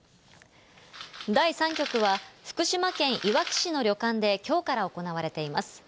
第３局は、福島県いわき市の旅館できょうから行われています。